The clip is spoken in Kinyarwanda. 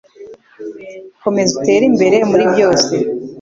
Komeza utere imbere muri byose